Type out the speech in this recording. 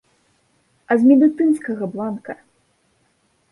А з медыцынскага бланка!